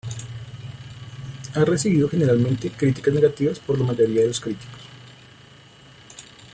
Ha recibido generalmente críticas negativas por la mayoría de los críticos.